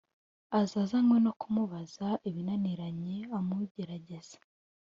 aza azanywe no kumubaza ibinaniranye, amugerageza